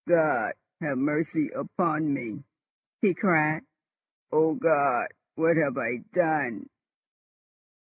"God have mercy upon me!" he cried. "O God! what have I done?"